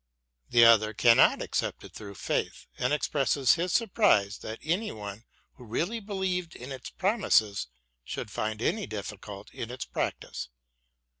The other cannot accept it through faith, and expresses his surprise that any one who really believed in its promises should find any difficulty in its practice.